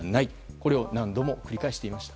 これを何度も繰り返していました。